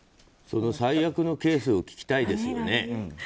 その最悪のケースを聞きたいですよね。